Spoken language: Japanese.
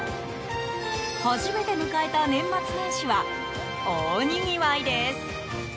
初めて迎えた年末年始は大にぎわいです。